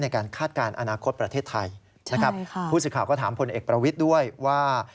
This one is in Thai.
คาดการณ์อนาคตประเทศไทยนะครับผู้สื่อข่าวก็ถามพลเอกประวิทย์ด้วยว่า